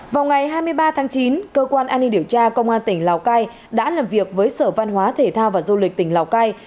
vào ngày hai mươi ba tháng chín cơ quan an ninh điều tra công an tỉnh lào cai đã làm việc với sở văn hóa thể thao và du lịch tỉnh lào cai